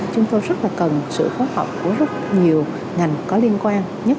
chúng tôi rất là cần sự phối hợp của rất nhiều ngành có liên quan